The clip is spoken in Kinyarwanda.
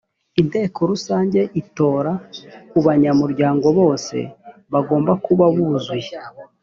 inteko rusange itora ku banyamuryango bose bagomba kuba buzuye